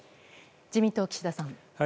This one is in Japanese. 自民党、岸田さん。